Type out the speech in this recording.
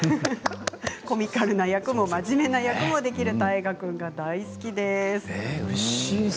コミカルな役も真面目な役もできる太賀君が大好きです。